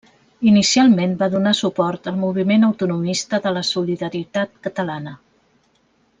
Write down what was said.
Inicialment va donar suport al moviment autonomista de la Solidaritat Catalana.